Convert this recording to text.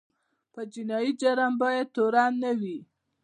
په جنایي جرم باید تورن نه وي.